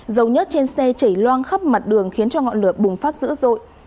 dầu nhất trên xe chảy loang khắp mặt đường khiến cho ngọn lửa bùng phát dữ dội